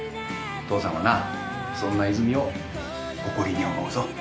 父さんはなそんな泉を誇りに思うぞ。